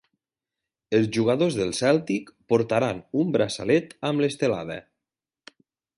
Els jugadors del cèltic portaran un braçalet amb l'estelada